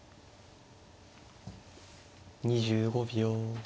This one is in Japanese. ２５秒。